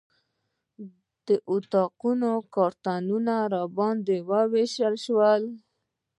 د اتاقونو کارتونه راباندې وویشل شول.